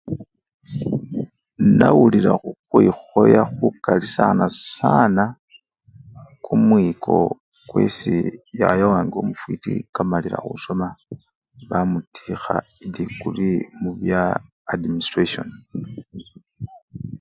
Nawulila khukhwikhoya khukali sana sana kumwiko esii yaya wange omufwiti kamalila khusoma bamutikha edigrii mubya administrasyon.